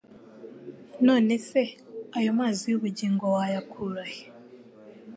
none se ayo mazi y'ubugingo wayakura he?